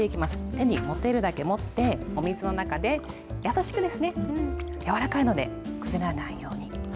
手に持てるだけ持って、お水の中で優しく、柔らかいので、崩れないように。